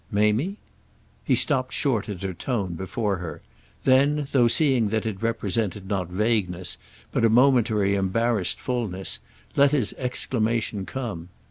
"Mamie?" He stopped short, at her tone, before her; then, though seeing that it represented not vagueness, but a momentary embarrassed fulness, let his exclamation come.